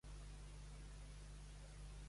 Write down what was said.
Devem la nostra independència a tals.